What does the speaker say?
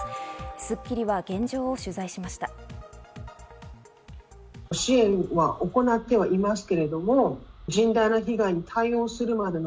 『スッキリ』は現状を取材しました。